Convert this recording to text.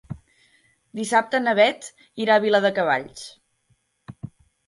Dissabte na Beth irà a Viladecavalls.